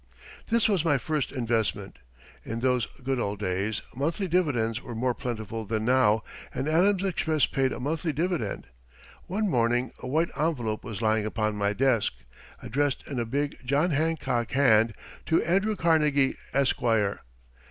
This was my first investment. In those good old days monthly dividends were more plentiful than now and Adams Express paid a monthly dividend. One morning a white envelope was lying upon my desk, addressed in a big John Hancock hand, to "Andrew Carnegie, Esquire."